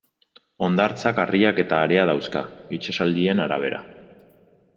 Hondartzak harriak eta harea dauzka, itsasaldien arabera.